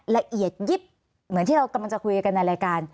ละเอียดยิบเหมือนที่เรากำลังจะคุยกันในรายการ